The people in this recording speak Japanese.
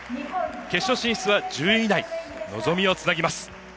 決勝進出は１０位以内に望みをつなぎます。